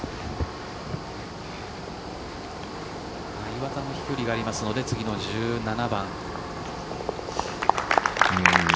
岩田も飛距離がありますので次の１７番。